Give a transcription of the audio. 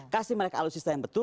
kasih mereka alutsista yang betul